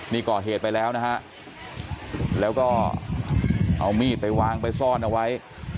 นี่ก่อเหตุไปแล้วนะฮะแล้วก็เอามีดไปวางไปซ่อนเอาไว้